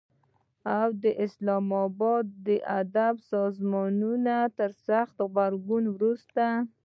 او د اسلام آباد ادبي سازمانونو تر سخت غبرګون وروسته